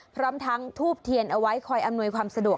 พร้อมทั้งทูบเทียนเอาไว้คอยอำนวยความสะดวก